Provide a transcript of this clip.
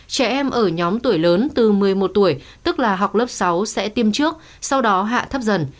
trẻ em ở nhóm tuổi lớn từ một mươi một tuổi tức là học lớp sáu sẽ tiêm trước sau đó hạ thấp dần